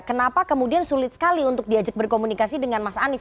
kenapa kemudian sulit sekali untuk diajak berkomunikasi dengan mas anies